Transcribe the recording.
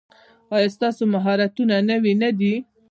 ایا ستاسو مهارتونه نوي نه دي؟